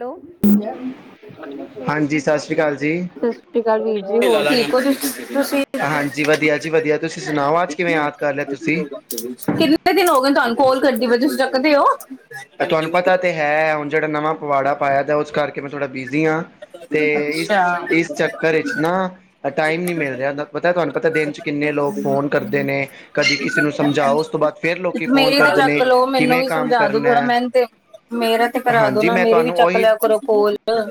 Hello ਸ ਹਾਂਜੀ ਸਤਿ ਸ਼੍ਰੀ ਅਕਾਲ ਜੀ ਸਾਸਰੀ ਕਾਲ ਵੀਰ ਜੀ ਹੋਰ ਠੀਕ ਓ ਤੁਸੀਂ? ਤੁਸੀ ਹਾਂਜੀ, ਵਧੀਆ ਜੀ ਵਧੀਆ ਤੁਸੀਂ ਸੁਣਾਓ ਅੱਜ ਕਿਵੇਂ ਯਾਦ ਕਰ ਲਿਆ ਤੁਸੀਂ? ਕਿੰਨੇ ਦਿਨ ਹੋ ਗਏ ਤੁਹਾਨੂੰ ਕਾੱਲ ਕਰਦੀ ਪ ਤੁਸੀਂ ਚੱਕਦੇ ਹੋ ਤੁਹਾਨੂੰ ਪਤਾ ਤਾਂ ਹੈ ਹੁਣ ਜਿਹੜਾ ਨਵਾਂ ਪੁਆੜਾ ਪਾਇਆ ਦਾ ਉਸ ਕਰਕੇ ਮੈਂ ਥੋੜ੍ਹਾ ਬਿਜ਼ੀ ਹਾਂ। ਤੇ ਇਸ ਅੱਛਾ ਇਸ ਚੱਕਰ ਇਚ ਨਾ ਟਾਈਮ ਨੀ ਮਿਲ ਰਿਹਾ ਤਾਂ ਪਤਾ ਏ ਤੁਹਾਨੂੰ ਪਤਾ ਏ ਦਿਨ ਚ ਕਿੰਨੇ ਲੋਕ ਫੋਨ ਕਰਦੇ ਨੇ ਕਦੀ ਕਿਸੇ ਨੂੰ ਸਮਝਾਓ ਉਸ ਤੋਂ ਬਾਅਦ ਫਿਰ ਲੋਕ ਫੋਨ ਮੇਰੀ ਕਰਦੇ ਨੇ ਕਿਵੇਂ ਕੰਮ ਕਰਨੈ। ਮੇਨ ਤੇ ਮੇਰਾ ਤੇ ਕਰਾ ਦੋ ਨਾ ਮੇਰੀ ਵੀ ਤੁਹਾਨੂੰ ਚੱਕ ਉਹੀ ਲਿਆ ਕਰੋ ਕਾੱਲ ਨਾ।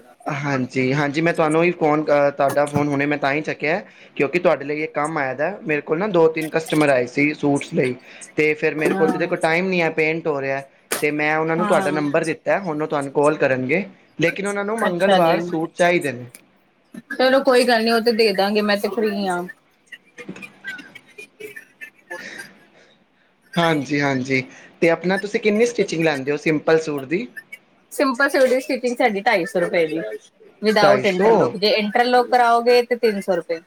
ਹਾਂਜੀ, ਹਾਂਜੀ ਮੈਂ ਤੁਹਾਨੂੰ ਹੀ ਫੋਨ ਕਰ ਕਰਦਾ ਫੋਨ ਮੈ ਤੁਹਾ ਚੱਕਿਆ ਕਿਉਂਕਿ ਤੁਹਾਡੇ ਲਈ ਇਕ ਕੰਮ ਆਇਆ ਦਾ ਮੇਰੇ ਕੋਲ ਨਾ ਦੋ ਤਿੰਨ ਕਸਟਮਰ ਆਏ ਸੀ ਸੂਟਸ ਲਈ ਤੇ ਫੇਰ ਮੇਰੇ ਹਾਂ ਕੋਲ ਤੇ ਟਾਈਮ ਨੀ ਆ ਪੇਂਟ ਹੋ ਰਿਹਾ। ਤੇ ਮੈਂ ਉਹਨਾਂ ਨੂੰ ਹਾਂ ਤੁਹਾਡਾ ਨੰਬਰ ਦਿੱਤਾ ਹੁਣ ਤੁਹਾਨੂੰ ਕੋ ਕਾੱਲ ਕਰਨਗੇ। ਲੇਕਿਨ ਉਹਨਾਂ ਨੂੰ ਅੱਛਾ ਮੰਗਲਵਾਰ ਜੀ ਸੂਟ ਚਾਹੀਦੇ ਨੇ ਚਲੋ ਕੋਈ ਗੱਲ ਨੀ ਉਹ ਤੇ ਦੇ ਦਾਂਗੇ ਮੈਂ ਤੇ ਫ੍ਰੀ ਹਾਂ। [inaudible] ਹਾਂਜੀ-ਹਾਂਜੀ ਤੇ ਆਪਣਾ ਤੁਸੀਂ ਕਿੰਨੀ ਸਟੀਚਿੰਗ ਲੈਂਦੇ ਹੋ ਸਿੰਪਲ ਸੂਟ ਦੀ? ਸਿੰਪਲ ਸੂਟ ਦੀ ਸਟੀਚਿੰਗ ਸਾਡੀ ਢਾਈ ਸੌ ਰੁਪਏ ਵੇ ਢਾਈ ਵਿਦਾਊਟ ਸੌ ਇੰਟਰਲੋਕ ਜੇ ਇੰਟਰਲੋਕ ਕਰਾਓਗੇ ਤੇ ਤਿੰਨ ਸੌ ਰੁਪਏ।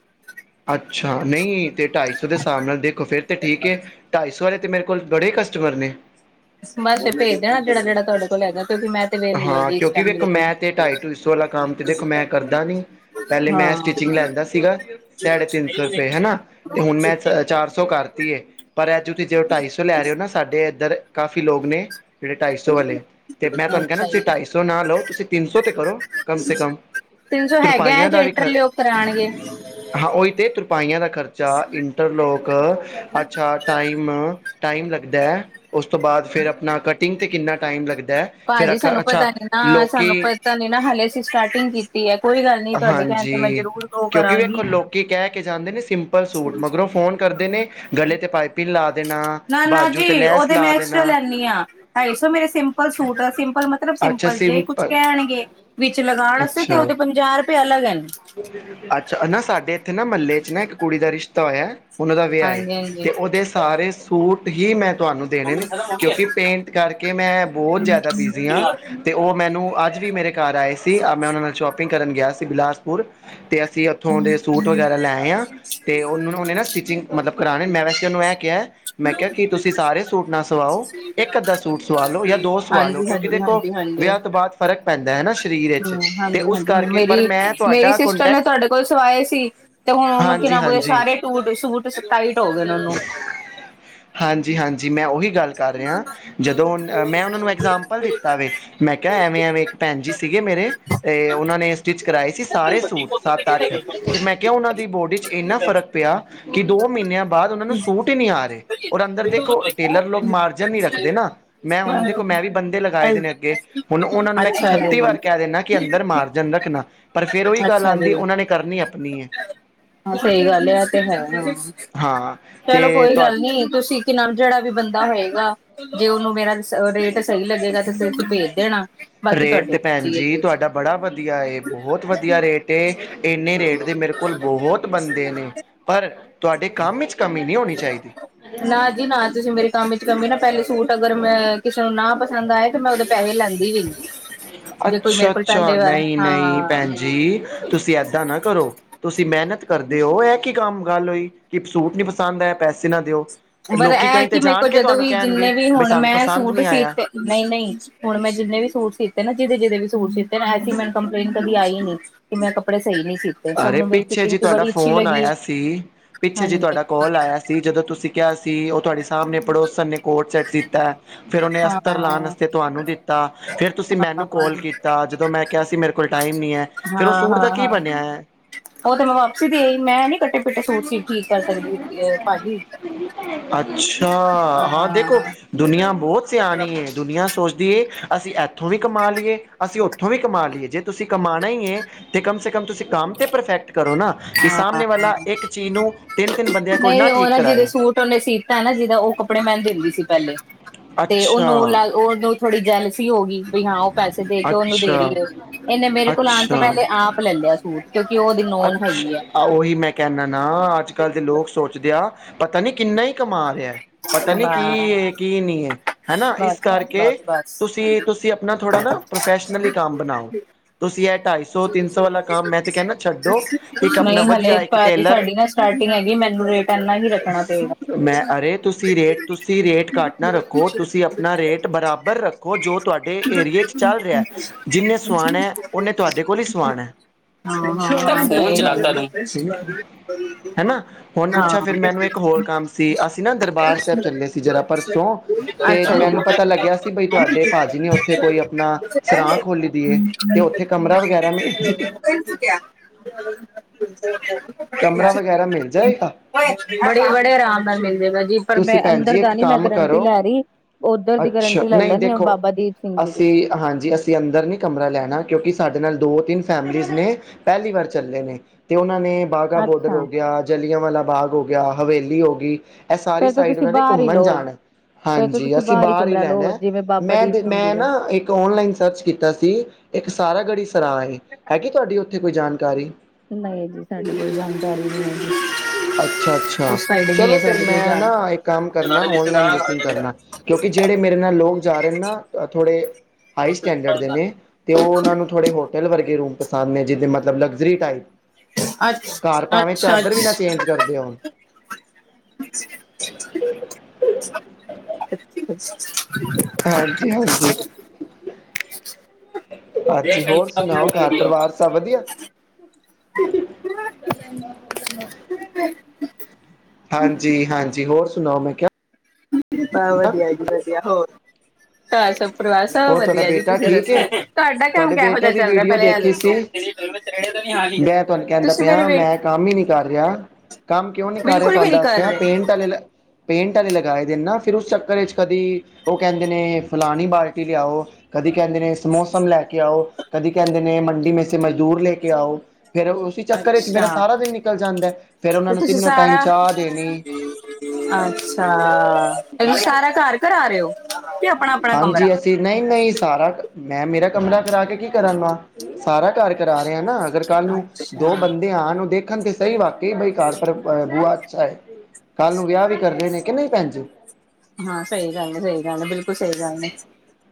ਅੱਛਾ, ਨਹੀਂ ਤੇ ਢਾਈ ਸੌ ਦੇ ਹਿਸਾਬ ਨਾਲ ਦੇਖੋ ਫੇਰ ਤੇ ਠੀਕ ਏ। ਢਾਈ ਸੌ ਆਲੇ ਤੇ ਮੇਰੇ ਕੋਲ ਬੜੇ ਕਸਟਮਰ ਨੇ। ਬਸ ਫਿਰ ਭੇਜ ਦੇਣਾ ਜਿਹੜਾ, ਜਿਹੜਾ ਤੁਹਾਡੇ ਕੋਲ ਹੈਗਾ ਕਿਉਂਕਿ ਮੈਂ ਤੇ ਵਿਹਲੀ ਹਾਂ, ਜੀ ਇਸ ਕਿਉਂਕਿ ਟਾਈਮ ਵੇਖੋ ਬਿਲਕੁਲ ਮੈਂ ਤੇ ਢਾਈ ਢੁਈ ਸੋ ਵਾਲਾ ਕੰਮ ਤੇ ਦੇਖੋ ਮੈਂ ਕਰਦਾ ਨੀ। ਪਹਿਲੇ ਮੈਂ ਹਾਂ ਸਟਿਚਿੰਗ ਲੈਂਦਾ ਸੀਗਾ ਸਾਢੇ ਤਿੰਨ ਸੌ ਰੁਪਏ ਹਨਾ ਤੇ ਹੁਣ ਮੈਂ ਚਾਰ ਸੌ ਕਰ ਤੀਏ ਪਰ ਐ ਜੋ ਤੁਸੀਂ ਜੇ ਢਾਈ ਸੌ ਲੈ ਰਹੇ ਹੋ ਨਾ ਸਾਡੇ ਇੱਧਰ ਕਾਫੀ ਲੋਕ ਨੇ ਜਿਹੜੇ ਢਾਈ ਸੌ ਵਾਲੇ, ਤੇ ਮੈਂ ਤੁਹਾਨੂੰ ਕਹਿਨਾ ਅੱਛਾ ਤੁਸੀਂ ਜੀ ਢਾਈ ਸੌ ਨਾ ਲਓ ਤੁਸੀਂ ਤਿੰਨ ਸੌ ਤੇ ਕਰੋ, ਕਮ ਸੇ ਕਮ। ਤਿੰਨ ਸੌ ਹੈਗਾ ਤੁਰਪਾਈਆਂ ਜੇ ਦਾ ਵੀ ਇੰਟਰ ਖਰ ਲੋਕ ਕਰਾਉਣਗੇ ਹਾਂ ਉਹੀ ਤਾਂ ਤੁਰਪਾਈਆਂ ਦਾ ਖਰਚਾ, ਇੰਟਰਲੋਕ ਅੱਛਾ ਟਾਈਮ ਟਾਈਮ ਲੱਗਦਾ ਐ ਓਸ ਤੋਂ ਬਾਅਦ ਫਿਰ ਆਪਣਾ ਕਟਿੰਗ ਤੇ ਕਿੰਨਾ ਟਾਈਮ ਲੱਗਦੈ। ਭਾਜੀ ਸਾਨੂੰ ਪਤਾ ਨੀ ਨਾ ਸਾਨੂੰ ਪਤਾ ਨੇ ਨਾ ਹਲੇ ਅਸੀ ਸਟਾਟਿੰਗ ਕੀਤ ਹੈ ਕੋਈ ਗੱਲ ਨੀ ਤੁਹਾਡੇ ਕਹਿਣ ਤੇ ਮੈਂ ਹਾਂਜੀ ਜਰੂਰ ਉਹ ਕਰਾਂਗੀ। ਪਲ ਸੂਟ ਮਗਰੋਂ ਫੋਨ ਕਰਦੇ ਨੇ ਗਲੇ ਤੇ ਪਾਈਪਿੰਨ ਲਾ ਦੇਣਾ। ਨਾ, ਨਾ ਬਾਜੂ ਤੇ ਜੀ ਲੈਸ ਉਹਦੇ ਲਾ ਮੈਂ ਐਕਸਟਰਾ ਦੇਣਾ ਲੈਂਨੀ ਆਂ ਢਾਈ ਸੋ ਮੇਰੇ ਸਿੰਪਲ ਸੂਟ ਸਿੰਪਲ ਮਤ ਮਤਲਬ ਸਿੰਪਲ ਜੇ ਕੁਛ ਕਹਿਣਗੇ ਵਿੱਚ ਲਗਾਣ ਵਾਸਤੇ ਤੇ ਅੱਛਾ ਓਹਦੇ ਪੰਜਾਹ ਰੁਪਏ ਅਲੱਗ ਲੈ ਨੇ। ਅੱਛਾ ਨਾ ਸਾਡੇ ਏਥੇ ਨਾ ਮਹੱਲੇ ਚ ਨਾ ਇੱਕ ਕੁੜੀ ਦਾ ਰਿਸ਼ਤਾ ਹੋਇਆ। ਉਹਨਾਂ ਦਾ ਵਿਆਹ ਏ ਹਾਂਜੀ ਹਾਂਜੀ ਤੇ ਉਹਦੇ ਸਾਰੇ ਸੂਟ ਹੀ ਮੈਂ ਤੁਹਾਨੂੰ ਦੇਣੇ ਨੇ ਕਿਉਂਕਿ ਪੇਂਟ ਕਰਕੇ ਮੈਂ ਬਹੁਤ ਜ਼ਿਆਦਾ ਬਿਜ਼ੀ ਹਾਂ। ਅਤੇ ਉਹ ਮੈਨੂੰ ਅੱਜ ਵੀ ਮੇਰੇ ਘਰ ਆਏ ਸੀ ਮੈਂ ਉਹਨਾਂ ਨਾਲ ਸ਼ੋਪਿੰਗ ਕਰਨ ਗਿਆ ਸੀ ਬਿਲਾਸਪੁਰ। ਤੇ ਅਸੀਂ ਉੱਥੋਂ ਦੇ ਸੂਟ ਵਗੈਰਾ ਲੈਏ ਆ ਤੇ ਉਹ ਨੂੰ ਓਨੇ ਨਾ ਸਟਿਚਿੰਗ ਮਤਲਬ ਕਰਾਣੇ ਮੈਂ ਵੈਸੇ ਓਹਨੂੰ ਐਂ ਕਿਆ ਮੈਂ ਕਿਹਾ ਕਿ ਤੁਸੀਂ ਸਾਰੇ ਸੂਟ ਨਾ ਸਵਾਓ ਇੱਕ ਅੱਧਾ ਸੂਟ ਸਵਾ ਲਓ ਜਾਂ ਦੋ ਸਵਾ ਲਓ ਹਾਂਜੀ ਕਿਉਂਕਿ ਹਾਂਜੀ ਦੇਖੋ ਹਾਂਜੀ ਹਾਂਜੀ ਵਿਆਹ ਤੋਂ ਬਾਅਦ ਫ਼ਰਕ ਪੈਂਦਾ ਐ ਨਾ ਸ਼ਰੀਰ ਵਿੱਚ ਹਮ ਤੇ ਹਾਂਜੀ ਉਸ ਹਾਂਜੀ ਹੁਣ ਕਰਕੇ ਪਰ ਮੇਰੀ ਮੈਂ ਮੇਰੀ ਤੁਹਾਡਾ ਸਿਸਟਰ ਕੋਂਟੈਕਟ ਨੇ ਤੁਹਾਡੇ ਕੋਲ ਸਵਾਏ ਸੀ, ਤੇ ਹੁਣ ਓਹਨੂੰ ਕਿ ਹਾਂਜੀ ਨਾ ਹਾਂਜੀ ਸਾਰੇ ਟੂਟ ਸੂਟ ਸਤਾਈ ਗਏ ਉਹਨੂੰ [unintelligible] ਹਾਂਜੀ, ਹਾਂਜੀ ਮੈਂ ਉਹੀ ਗੱਲ ਕਰ ਰਿਹਾ, ਜਦੋਂ ਮੈਂ ਉਹਨਾਂ ਨੂੰ ਐਗਜਾਮਪਲ ਦਿੱਤਾ ਵੇ ਮੈਂ ਕਿਹਾ ਐਵੇਂ-ਐਵੇਂ ਭੈਣ ਜੀ ਸੀਗੇ ਮੇਰੇ ਤੇ ਉਹਨਾਂ ਨੇ ਸਟਿਚ ਕਰਾਏ ਸੀ ਸਾਰੇ ਸੂਟ ਸੱਤ ਅੱਠ ਮੈਂ ਕਿਹਾ ਉਹਨਾਂ ਦੀ ਬੋਡੀ ਚ ਇੰਨਾ ਫਰਕ ਪਿਆ ਕਿ ਦੋ ਮਹੀਨਿਆਂ ਬਾਦ ਓਨਾਂ ਨੂੰ ਅੱਛਾ ਸੂਟ ਈ ਨੀ ਆ ਰੇ, ਓਰ ਅੰਦਰ ਦੇਖੋ ਟੇਲਰ ਲੋਕ ਮਾਰਜਨ ਨੀ ਰੱਖਦੇ ਨਾ। ਮੈਂ ਹੁਣ ਦੇਖੋ ਮੈਂ ਵੀ ਬੰਦੇ ਲਗਾਏ ਦੇ ਨੇ ਅੱਗੇ, ਹੁਣ ਓਹਨਾਂ ਨੂੰ ਮੈਂ ਛੱਤੀ ਜੀ। ਵਾਰ ਕਹਿ ਦਿੰਨਾ। ਕੇ ਅੰਦਰ ਮਾਰਜਨ ਰੱਖਣਾ, ਪਰ ਫੇਰ ਓਹੀ ਗੱਲ ਅੱਛਾ ਆਂਦੀ ਜੀ, ਓਹਨਾਂ ਨੇ ਕਰਨੀ ਆਪਣੀ ਐ। ਹਾਂ ਸਹੀ ਗੱਲ ਐ ਤੇ ਹੈ ਹਾਂ। ਹਾਂ ਤੇ ਚਲੋ ਕੋਈ ਤੁਹਾ ਗੱਲ ਨੀ ਤੁਸੀਂ ਕਿ ਨਾਲ ਜਿਹੜਾ ਵੀ ਬੰਦਾ ਹੋਏਗਾ, ਜੇ ਓਹਨੂੰ ਮੇਰਾ ਰਿਸ ਰੇਟ ਸਹੀ ਲੱਗੇਗਾ ਤੇ ਫੇਰ ਭੇਜ ਦੇਣਾ, ਬਾਕੀ ਤੁਹਾਡੀ ਮਰਜ਼ੀ ਏ। ਦੀ ਤੁਹਾਡਾ ਬੜਾ ਵਧੀਆ ਏ ਬਹੋਤ ਵਧੀਆ ਰੇਟ ਏ ਇੰਨੇ ਰੇਟ ਦੇ ਮੇਰੇ ਕੋਲ ਬਹੋਤ ਬੰਦੇ ਨੇ। ਪਰ, ਤੁਆਡੇ ਕਾੰਮ ਇਚ ਕਮੀ ਨੀ ਹੋਣੀ ਚਾਈਦੀ। ਨਾ ਜੀ ਨਾ ਤੁਸੀਂ ਮੇਰੇ ਕੰਮ ਚ ਕਮੀ ਨਾ ਪਹਿਲੇ ਸੂਟ ਅਗਰ ਮੈਂ ਕਿਸੇ ਨੂੰ ਨਾ ਪਸੰਦ ਆਏ ਤੇ ਮੈਂ ਉਹਦੇ ਪੈਸੇ ਲੈਂਦੀ ਵੀ ਨੀ। ਜੇ ਕੋਈ ਮੇਰੇ ਕੋਲ ਅੱਛਾ-ਅੱਛਾ, ਪਹਿਲੇ ਵਾਰ ਨਈ-ਨਈ ਹਾਂ ਭੈਣ ਜੀ, ਤੁਸੀਂ ਐਦਾਂ ਨਾ ਕਰੋ ਤੁਸੀਂ ਮੈਨਤ ਕਰਦੇ ਓ, ਏ ਕੀ ਕੰਮ ਗੱਲ ਹੋਈ ਕਿ ਸੂਟ ਨੀ ਪਸੰਦ ਆਏ ਪੈਸੇ ਨਾ ਦੇਓ। ਪਰ ਐ ਕਿ ਮੇਰ ਕੋਲ ਜਦੋਂ ਵੀ ਜਿੰਨੇ ਵੀ ਬਈ ਹੋਣ ਸਾਨੂੰ ਮੈਂ ਪਸੰਦ ਸੂਟ ਨਹੀਂ ਆਇਆ ਸੀਤੇ, ਨਈ-ਨਈ ਹੁਣ ਮੈਂ ਜਿੰਨੇ ਵੀ ਸੂਟ ਸੀਤੇ ਨਾ ਜਿਹਦੇ-ਜਿਹਦੇ ਵੀ ਸੂਟ ਸੀਤੇ ਐਸੀ ਮੈਨੂੰ ਕੰਪਲੇਂਟ ਕਦੀ ਆਈ ਨੀ। ਕਿ ਮੈਂ ਕੱਪੜੇ ਸਈ ਨੀ ਸੀ ਅਰੇ ਪਿੱਛੇ ਜੀ ਤੁਹਾਡਾ ਫੋਨ ਆਇਆ ਸੀ, ਪਿੱਛੇ ਜੀ ਹਾਂਜੀ ਤੁਹਾਡਾ ਕੋਲ ਆਇਆ ਸ ਸੀ ਜਦੋਂ ਤੁਸੀਂ ਕਿਹਾ ਸੀ, ਉਹ ਤੁਹਾਡੇ ਸਾਹਮਣੇ ਪੜੋਸਨ ਨੇ ਕੋਟ ਸੈੱਟ ਸੀਤਾ। ਫੇਰ ਓਹਨੇ ਹਾਂ ਅਸਤਰ ਲਾਣ ਵਾਸਤੇ ਤੁਹਾਨੂੰ ਦਿੱਤਾ, ਫੇਰ ਤੁਸੀਂ ਮੈਨੂੰ ਹਾਂ ਕੋਲ ਕੀਤਾ ਜਦੋਂ ਮੈਂ ਕੇਆ ਸੀ ਮੇਰੇ ਕੋਲ ਟਾਈਮ ਨੀ ਐ, ਫੇਰ ਓ ਸੂਟ ਦਾ ਕੀ ਬਨੇਆ ਐ? ਓ ਤੇ ਮੈਂ ਵਾਪਸੀ ਦੇ ਆਈ, ਮੈਂ ਨੀ ਕੱਟੇ-ਪਿੱਟੇ ਸੂਟ ਸੀਟ ਠੀਕ ਕਰ ਸਕਦੀ ਭਾਜੀ। ਅੱਛਾ, ਹਾਂ ਦੇਖੋ। ਦੁਨੀਆਂ ਬੋਹਤ ਸਿਆਣੀ ਏ, ਦੁਨੀਆਂ ਸੋਚਦੀ ਏ ਅਸੀਂ ਐਥੋਂ ਵੀ ਕਮਾ ਲੀਏ ਅਸੀਂ ਓਥੋਂ ਵੀ ਕਮਾ ਲੀਏ, ਜੇ ਤੁਸੀਂ ਕਮਾਣਾ ਈ ਏ ਤੇ ਕਮ ਸੇ ਕਮ ਤੁਸੀਂ ਕਾੰਮ 'ਤੇ ਪਰਫੈਕਟ ਕਰੋ ਨਾ। ਕਿ ਸਾਹਮਣੇ ਹਾਂ ਵਾਲਾ ਇੱਕ ਚੀ ਨੂੰ ਤਿੰਨ, ਤਿੰਨ ਬੰਦਿਆਂ ਕੋਲ ਨਾ ਠੀਕ ਕਰਾਏ ਓਹਨੇ ਸੀਤਾ ਨਾ ਜਿਹਦਾ ਓਹ ਕੱਪੜੇ ਮੈਂ ਦਿੰਦੀ ਸੀ ਪਹਿਲੇ, ਤੇ ਅੱਛਾ, ਓਹਨੂੰ ਲੱਗ ਓਨੂੰ ਥੋੜੀ ਜੈਲ ਹੋਗੀ ਬਈ ਹਾਂ ਓ ਪੈਸੇ ਦੇ ਕੇ ਓਨੂੰ ਦੇ ਰੀ ਅੱਛਾ, ਏ ਓ, ਏਨੇ ਮੇਰੇ ਕੋਲ ਆਨ ਤੋਂ ਅੱਛਾ, ਪੈਲੇ ਆਪ ਲੈ ਲੇਆ ਸੀ। ਸੂਟ ਕੇਓਕਿ ਓ ਓਦੀ ਨੋਨ ਅੱਛ ਹੈਗੀ ਐ। ਆ ਓਹੀ ਮੈਂ ਕੈਨਾਂ ਨਾ ਆੱਜ-ਕਾੱਲ ਦੇ ਲੋਕ ਸੋਚਦੇ ਆ, ਪਤਾ ਨੀ ਕਿੰਨਾ ਈ ਕਮਾ ਰੇਐ। ਪਤਾ ਨਈ ਕੀ ਏ ਕੀ ਨਈ ਏ, ਹਨਾ ਏਸ ਬਸ ਬਸ ਕਰਕੇ ਬਸ ਬਸ ਤੁਸੀ-ਤੁਸੀਂ ਅਪਨਾ ਥੋੜਾ ਨਾ, ਪ੍ਰੋਫੈਸ਼ਨਲੀ ਕਾੰਮ ਬਨਾਓ। ਤੁਸੀਂ ਇਹ ਢਾਈ ਸੌ ਤਿੰਨ ਸੌ ਵਾਲਾ ਕੰਮ ਮੈਂ ਤੇ ਕਹਿੰਨਾ ਨਈ ਹਲੇ ਭਾਜੀ ਟੇਲਰ ਸਾਡੀ ਨਾ ਸਟਾਰਟਿੰਗ ਹੈਗੀ, ਮੈਨੂੰ ਰੇਟ ਐਨਾ ਹੀ ਰੱਖਣਾ ਪਏਗਾ। ਮੈਂ ਅਰੇ ਤੁਸੀਂ ਰੇਟ ਤੁਸੀਂ ਰੇਟ ਘੱਟ ਨਾ ਰੱਖੋ ਤੁਸੀਂ ਆਪਣਾ ਰੇਟ ਬਰਾਬਰ ਰੱਖੋ ਦੇਖੋ ਜੋ ਤੁਹਾਡੇ ਏਰੀਏ ਚ ਚੱਲ ਰਿਹਾ ਜਿੰਨੇ ਸੁਆਣਾ ਉੰਨੇ ਤੁਹਾਡੇ ਕੋਲ ਹੀ ਸੁਆਣਾ। [unintelligible] ਠੀਕ ਐ, ਹੈਨਾ ਹੁਣ ਅੱਛਾ ਫਿਰ ਮੈਨੂੰ ਇੱਕ ਹੋਰ ਕੰਮ ਸੀ ਅਸੀਂ ਨਾ ਦਰਬਾਰ ਸਾਹਿਬ ਚੱਲੇ ਸੀ। ਜਰਾ ਪਰਸੋਂ, ਤੇ ਅੱਛਾ ਮੈਨੂੰ ਪਤਾ ਲੱਗਿਆ ਸੀ ਬਈ ਤੁਹਾਡੇ ਭਾਜੀ ਨੇ ਓਥੇ ਕੋਈ ਆਪਣਾ ਸਰਾਂ ਖੋਲੀ ਦੀਏ, ਤੇ ਓਥੇ ਕਮਰਾ ਵਗੈਰਾ ਮਿਲ ਜੇ [inaudible] ਕਮਰਾ ਕ ਵਗੈਰਾ ਮਿਲ ਜਾਏਗਾ? ਬੜੇ ਬੜੇ ਆਰਾਮ ਨਾਲ ਮਿਲਦੇ ਪਏ ਜੀ ਪਰ ਤੁਸੀਂ ਮੈਂ ਭੈਣ ਅੰਦਰ ਜੀ ਦਾ ਇੱਕ ਨੀ ਮੈਂ ਕੰਮ ਗਰੰਟੀ ਕਰੋ ਲੈ ਰਹੀ ਓਦਰ ਦੀ ਅੱਛਾ ਗਰੰਟੀ ਲੈ ਨਹੀਂ ਲੈਨੀ ਆ, ਦੇਖੋ ਬਾਬਾ ਦੀਪ ਸਿੰਘ ਜੀ ਦੀ। ਅਸੀਂ ਹਾਂਜੀ ਅਸੀਂ ਅੰਦਰ ਨੀ ਕਮਰਾ ਲੈਣਾ ਕਿਉਂਕਿ ਸਾਡੇ ਨਾਲ ਦੋ ਤਿੰਨ ਫੈਮਲੀਜ਼ ਨੇ। ਪਹਿਲੀ ਵਾਰ ਚੱਲੇ ਨੇ, ਤੇ ਓਹਨਾਂ ਨੇ ਬਾਗਾ ਬੋਡਰ ਅੱਛਾ ਹੋ ਗੇਆ, ਜਲਿਆਂਵਾਲਾ ਬਾਗ ਹੋ ਗੇਆ, ਹਵੇਲੀ ਹੋ ਗਈ ਐਹ ਸਾਰੀ ਫੇਰ ਤਾਂ ਸਾਈਡ ਤੁਸੀਂ ਉਹਨਾਂ ਨੇ ਬਾਹਰ ਹੀ ਘੁੰਮਨ ਲਓ ਜਾਣਾ। ਫੇਰ ਤਾਂ ਹਾਂਜੀ, ਤੁਸੀਂ ਅਸੀਂ ਬਾਹਰ ਹੀ ਬਾਰ ਈ ਕਮਰਾ ਲਓ ਲੈਨੈ ਜਿਵੇਂ ਬਾਬਾ ਮੈਂ ਦੀਪ ਸਿੰਘ ਜੀ ਮੈਂ ਦੇ ਨਾ ਇੱਕ ਓਨਲਾਈਨ ਸਰਚ ਕੀਤ ਕੀਤਾ ਸੀ ਇੱਕ ਸਾਰਾਗੜੀ ਸਰਾਂ ਏ, ਹੈਗੀ ਤੁਆਡੀ ਓਥੇ ਕੋਈ ਜਾਣਕਾਰੀ? ਨਈ ਜੀ ਸਾਡੀ ਕੋਈ ਜਾਨਕਾਰੀ ਨੀ ਹੈਗੀ। ਅੱਛਾ-ਅੱਛਾ, ਚਲੋ ਫਿਰ ਮੈਂ ਜਾਣ ਨਾ ਇੱਕ ਕੰਮ ਕਰਨਾ ਔਨਲਾਈਨ ਬੁਕਿੰਗ ਕਰਨਾ। ਕਿਉਂਕਿ ਜਿਹੜੇ ਮੇਰੇ ਨਾਲ ਲੋਕ ਜਾ ਰਹੇ ਨੇ ਨਾ ਥੋੜੇ, ਹਾਈ ਸਟੈਂਡਰਡ ਦੇ ਨੇ। ਤੇ ਓ ਓਨਾਂ ਨੂੰ ਥੋੜੇ ਹੋਟਲ ਵਰਗੇ ਰੂਮ ਪਸੰਦ ਨੇ, ਜਿਦੇ ਮਤਲਬ ਲਗਜ਼ਰੀ ਟਾਈਪ। ਘਰ ਅੱਛਾ ਭਾਵੇਂ ਅੱਛਾ ਚਾਦਰ ਵੀ ਨਾ ਚੇਂਜ ਕਰਦੇ ਹੋਣ। [inaudible] [unintelligible] ਹਾਂਜੀ-ਹਾਂਜੀ। ਹਾਂਜੀ ਹੋਰ ਸੁਨਾਓ ਘਰ ਪਰਿਵਾਰ ਸਭ ਵਧੀਆ। [inaudible] ਹਾਂਜੀ-ਹਾਂਜੀ, ਹੋਰ ਸੁਨਾਓ ਮੈਂ ਕੇਆ ਹਾਂ, ਵਦੀਆ ਜੀ ਵਦੀਆ ਹੋਰ ਘਾਰ ਸਬ ਪਰਿਵਾਰ ਸਬ ਹੋਰ ਤੁਹਾਡਾ ਵਦੀਆ ਜੀ ਬੇਟਾ ਤੁਸੀਂ ਠੀਕ ਦੱਸੋ, ਏ ਤੁਆਡਾ ਕਾੰਮ ਤੁਹਾਡੇ ਕੈਹੋ ਜਾ ਬੇਟੇ ਦੀ ਚੱਲਦੈ ਵੀਡੀਓ ਪੈਲੇ ਐ ਦੇਖੀ ਦੱਸੋ? ਸੀ ਮੈਂ ਤੁਹਾਨੂੰ ਕਹਿੰਦਾ ਤੁਸੀਂ ਮੇਰੇ ਪਿਆ ਮੈਂ ਵੇਟ ਕੰਮ ਈ ਨੀ ਕਰ ਰਿਆ। ਕੰਮ ਕੇਓ ਨੀ ਕਾਰ ਰੇਆ ਬਿਲਕੁਲ ਵੀ ਤੁਹਾਨੂੰ ਨੀ ਦਾੱਸ ਕਰ ਰੇਆਂ ਰਹੇ ਪੇਂਟ ਵਾਲੇ ਲੋ ਪੇਂਟ ਵਾਲੇ ਲਗਾਏ ਨਾ ਫਿਰ ਉਸ ਚੱਕਰ ਵਿੱਚ ਕਦੀ ਉਹ ਕਹਿੰਦੇ ਨੇ ਫਲਾਣੀ ਬਾਲਟੀ ਲਿਆਓ ਕਦੀ ਕਹਿੰਦੇ ਨੇ ਸਮੋਸਮ ਲੈ ਕੇ ਆਓ, ਕਦੀ ਕਹਿੰਦੇ ਨੇ ਮੰਡੀ ਮੇ ਸੇ ਮਜ਼ਦੂਰ ਲੇ ਕੇ ਆਓ। ਫਿਰ ਓਸੀ ਚੱਕਰ ਚ ਮੇਰਾ ਅੱਛਾ ਸਾਰਾ ਦਿਨ ਨਿਕਲ ਜਾਂਦੈ, ਫੇਰ ਓਨਾ ਤੇ ਨੂੰ ਤੁਸੀਂ ਤਿੰਨੋ ਟਾਈਮ ਸਾਰਾ ਚਾਹ ਦੇਣੀ। ਅੱਛਾ, ਮਲਬ ਸਾਰਾ ਘਾਰ ਕਰਾ ਰੇ ਓ? ਹਾਂਜੀ, ਅਸੀਂ ਨਈ-ਨਈ ਸਾਰਾ ਮੈਂ ਮੇਰਾ ਕਮਰਾ ਕਰਾ ਕੇ ਕੀ ਕਰਾਂਗਾ। ਸਾਰਾ ਘਰ ਕਰਾ ਰਿਹਾ ਨਾ ਅਗਰ ਕਾਲੂ ਅੱਛਾ ਦੋ ਬੰਦੇ ਆਣ ਉਹ ਦੇਖਣ ਤੇ ਸਹੀ ਵਕਤ ਕੀ ਬਈ ਘਰ ਪਰ ਬੂਆ ਅੱਛਾ ਏ, ਕਾਲੂੰ ਵਿਆਹ ਵੀ ਕਰਨੇ ਨੇ ਕਿ ਨਈ ਭੈਣ ਜੀ। ਹਾਂ, ਸਈ ਗਾੱਲ ਏ ਸਈ ਏ ਬਿਲਕੁਲ ਸਈ ਗਾੱਲ ਏ।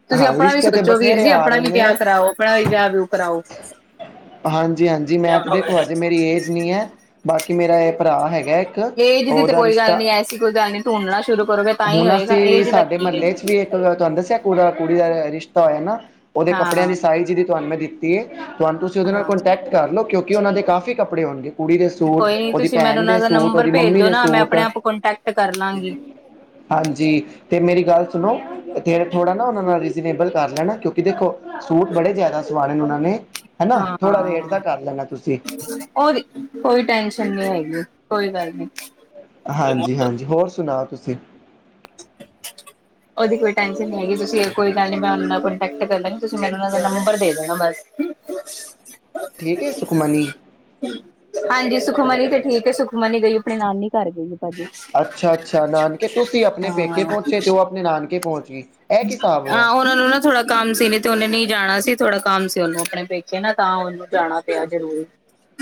ਤੁਸੀਂ ਹਾਂ ਆਪਣਾ ਵੀ ਰਿਸ਼ਤੇ ਤੇ ਸੋਚੋ ਵੀਰ ਬਥੇਰੇ ਜੀ ਆ ਆਪਣਾ ਰਹੇ ਵੀ ਨੇ ਵਿਆਹ ਕਰਾਓ ਆਪਣਾ ਵੀ ਵਿਆਹ ਵਿਊਹ ਕਰਾਓ ਹਾਂਜੀ-ਹਾਂਜੀ, ਮੈ ਤੇ ਦੇਖੋ ਹਜੇ ਮੇਰੀ ਏਜ ਨਈ ਏ ਬਾਕੀ ਮੇਰਾ ਐ ਭਰਾ ਹੈਗੈ ਏਜ ਦੀ ਤੇ ਓਦਾ ਕੋਈ ਗੱਲ ਰਿਸ਼ਤਾ ਨੀ ਐਸੀ ਕੋਈ ਗੱਲ ਨੀ ਢੂੰਡਣਾ ਸ਼ੁਰੂ ਕਰੋਗੇ ਤਾਂ ਹੀ ਹੁਣ ਹੋਏਗਾ ਅਸੀਂ ਵੀ ਏਜ ਦਾ ਸਾਡੇ ਕੀ ਹੈ ਮਹੱਲੇ ਚ ਵੀ ਓ ਮੈ ਤੁਆਨੂੰ ਦੱਸੇਆ ਕੁੜਾ, ਕੁੜੀ ਦਾ ਰਿਸ਼ਤਾ ਹੋਏਆ ਨਾ ਓਦੇ ਹਾਂ ਕੱਪੜੇਆਂ ਦੀ ਸਾਈਜ ਜੇੜੀ ਤਾਆਨੂੰ ਮੈਂ ਦਿੱਤੀ। ਕੀ ਏ, ਤੁਆਨੂੰ ਤੁਸੀ ਓਦੇ ਨਾਲ ਹਾਂ ਕੋਂਟੈਕਟ ਕਾਰ ਲੋ, ਕੇਓਕਿ ਓਨਾਂ ਦੇ ਕਾਫ਼ੀ ਕੱਪੜੇ ਹੋਨਗੇ। ਕੁੜੀ ਦੇ ਸੂਟ ਕੋਈ ਨੀ ਓਦੀ ਤੁਸੀਂ ਮੈਨੂੰ ਭੈਣ ਦੇ ਉਹਨਾਂ ਦਾ ਸੂਟ ਨੰਬਰ ਓਦੀ ਭੇਜ ਮੰਮੀ ਦੋ ਦੇ ਨਾ ਮੈਂ ਸੂਟ ਆਪਣੇ ਆਪ ਕੋਂਟੈਕਟ ਕਰ ਲਾਂਗੀ ਹਾਂਜੀ ਤੇ ਮੇਰੀ ਗੱਲ ਸੁਣੋ। ਤੇ ਥੋੜਾ ਨਾ ਓਨਾਂ ਨਾਲ ਰੀਜਨੇਬਲ ਕਰ ਲੈਣਾ, ਕੇਓਕਿ ਦੇਖੋ ਸੂਟ ਬੜੇ ਜਾਦਾ ਸਵਾਣੇ ਨੇ ਓਨਾਂ ਨੇ। ਹਨਾ, ਹਾਂ ਥੋੜਾ ਰੇਟ ਦਾ ਕਾਰ ਲੈਣਾ ਤੁਸੀ। ਉਹ ਕੋਈ ਟੈਨਸ਼ਨ ਨਹੀਂ ਹੈਗੀ ਕੋਈ ਗੱਲ ਨੀ ਹਾਂਜੀ ਹਾਂਜੀ ਹੋਰ ਸੁਣਾਓ ਤੁਸੀਂ [unintelligible] ਓਦੀ ਕੋਈ ਟੈਨਸ਼ਨ ਨੀ ਹੈਗੀ ਤੁਸੀਂ ਕੋਈ ਗਾੱਲ ਨੀ ਮੈਂ ਓਨਾਂ ਨਾਲ ਕੋਂਟੈਕਟ ਕਰ ਲਾਂਗੀ ਤੁਸੀਂ ਮੈਨ ਓਨਾ ਦਾ ਨੰਬਰ ਦੇ ਦੇਣਾ ਬਾੱਸ। ਠੀਕ ਹੈ ਸੁਖਮਨੀ [unintelligible] ਹਾਂਜੀ ਸੁਖਮਨੀ ਤੇ ਠੀਕ ਹੈ ਸੁਖਮਨੀ ਗਈ ਆਪਣੀ ਨਾਨੀ ਘਾਰ ਗਈ ਏ ਭਾਜੀ ਅੱਛਾ ਅੱਛਾ ਨਾਨਕੇ ਤੁਸੀਂ ਆਪਣੇ ਪੇਕੇ ਪਹੁੰਚੇ ਤੇ ਉਹ ਆਪਣੇ ਨਾਨਕੇ ਪਹੁੰਚ ਗਏ [unintelligible] ਉਹਨਾ ਨੂੰ ਨਾ ਥੋੜਾ ਕੰਮ ਸੀ ਨ ਤੇ ਉਹਨੇ ਨਈ ਜਾਣਾ ਸੀ ਥੋੜਾ ਕੰਮ ਸੀ ਉਹਨੂੰ ਆਪਣੇ ਪੇਖੇ ਨਾ ਤਾਂ ਉਹਨੂੰ ਜਾਣਾ ਪੇਆ ਜਰੂੂਰ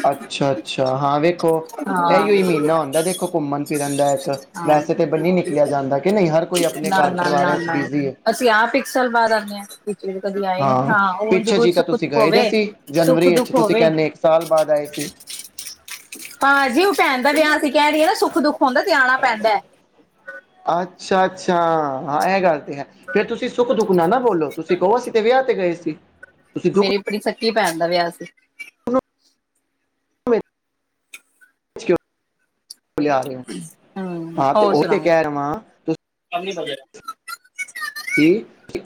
ਅੱਛਾ ਅੱਛਾ ਹਾਂ ਵੇਖੋ ਹਾਂ ਇਹੀਓ ਈ ਮੀਨਾ ਹੁੰਦਾ। ਦੇਖੋ ਘੁੰਮਣ ਫਿਰਨ ਦਾ ਇੱਕ ਹਾਂ ਵੈਸੇ ਤਾਂ ਬੰਨੀ ਨ ਲਿਆ ਜਾਂਦਾ ਕਿ ਨਹੀਂ ਹਰ ਕੋਈ ਆਪਣੇ ਘਰ ਪਰਿਵਾਰਾ ਚ ਬੀਜ਼ੀ ਹੈ। ਪੇਆ ਪਿਕਸਲ ਬਾਅਦ ਆਨੇ ਆ। ਕਦੀ ਆਏ ਨੀ, ਹਾਂ ਓਂਜ ਪਿੱਛੇ ਜੀ ਤਾਂ ਸੁੱਖ-ਦੁੱਖ ਤੁਸੀਂ ਗਏ ਦੇ ਹੋਵੇ ਸੀ ਜਨਵਰੀ ਵਿੱਚ ਸੁੱਖ-ਦੁੱਖ ਤੁਸੀਂ ਹੋਵੇ। ਕਹਿੰਦੇ ਇੱਕ ਸਾਲ ਬਾਅਦ ਆਏ ਸੀ ਹਾਂਜੀ, ਓ ਭੈਣਦਾ ਵਿਆਹ ਅਸੀਂ ਕਹਿ ਦੀਏ ਨਾ ਸੁੱਖ-ਦੁੱਖ ਹੁੰਦਾ ਤੇ ਆਣਾ ਪੈਂਦਾ। ਅੱਛਾ-ਅੱਛਾ, ਹਾਂ ਐ ਗਾੱਲ ਤੇ ਹੈ, ਫੇਰ ਤੁਸੀਂ ਸੁੱਖ-ਦੁੱਖ ਨਾ ਨਾ ਬੋਲੋ ਤੁਸੀ ਕਓ ਅਸੀ ਤੇ ਵੇਆ ਤੇ ਗਏ ਸੀ, ਤੁਸੀ ਦੁੱਖ- ਮੇਰੀ ਸੱਕੀ ਭੈਣ ਦਾ ਵੇਆ ਸੀ। ਲੀਆ ਹੂੰ, ਹੋਰ ਸੁਣਾਓ? ਰਵਾਂ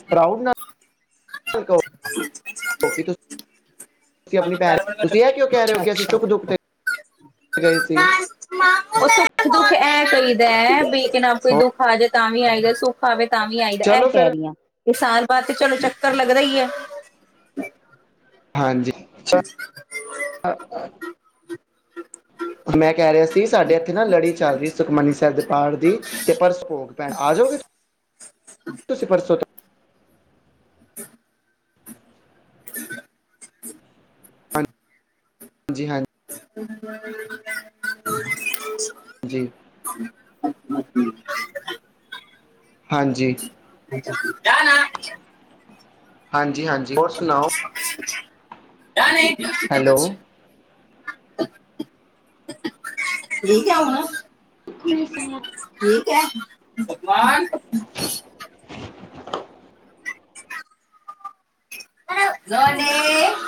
ਪ੍ਰਾਊਡ ਨਾਲ [unintelligible] ਤੁਸੀਂ ਆਪਣੀ ਭੈਣ ਤੁਸੀਂ ਇਹ ਕਿਉਂ ਕਹਿ ਰਹੇ ਹੋ ਅੱਛਾ ਕਿ ਅਸੀਂ ਅੱਛਾ ਸੁੱਖ ਦੁੱਖ ਤੇ ਗਏ ਸੀ। ਉਹ ਸੁੱਖ ਦੁੱਖ ਇਹ ਚਾਹੀਦਾ ਹੈ ਬਈ ਕਿ ਨਾ ਕੋਈ ਹੋਰ ਦੁੱਖ ਆ ਜਾਵੇ ਤਾਂ ਵੀ ਆਈਦਾ ਸੁੱਖ ਆਵੇ ਤਾਂ ਵੀ ਆਈਦਾ ਇਹ ਚਲੋ ਕਹਿ ਫਿਰ ਰਹੀ ਹਾਂ ਸਾਲ ਬਾਦ ਤੇ ਚਲੋ ਚੱਕਰ ਲੱਗਦਾ ਹੀ ਹੈ। ਹਾਂਜੀ। ਚ- [inaudible] [unintelligible] ਮੈਂ ਕਹਿ ਰਿਆ ਸੀ। ਸਾਡੇ ਇੱਥੇ ਨਾ ਲੜੀ ਚੱਲ ਰਹੀ। ਸੁਖਮਨੀ ਸਾਹਿਬ ਦੇ ਪਾਠ ਦੀ ਤੇ ਪਰਸੋਂ ਭੋਗ ਪੈਣਾ ਆਜੋਗੇ ਤੁਸੀਂ ਪਰਸੋਂ ਤੋਂ [unintelligible] [unintelligible] ਹਾਜੀ-ਹਾਂਜੀ। [inaudible] ਜੀ। ਹਾਂਜੀ। [unintelligible] ਹਾਂਜੀ-ਹਾਂਜੀ ਹੋਰ ਸੁਣਾਓ? ਕ ਨਹੀਂ ਹੈਲੋ [unintelligible] ਠੀਕ ਆ ਹੁਣ। ਖੁੱਲੀ ਸਹਿਣਾ ਠੀਕ ਹੈ? [unintelligible]